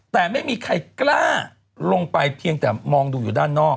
แต่ไม่มีใครกล้าลงไปเพียงแต่มองดูอยู่ด้านนอก